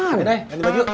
nanti nanti ganti baju